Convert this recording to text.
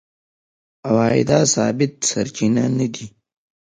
عوایده ثابت سرچینه نه دي.